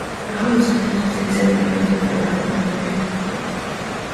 Trajo docentes especializados de Francia para la formación de los profesores.